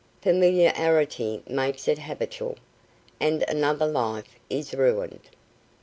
Familiarity makes it habitual, and another life is ruined.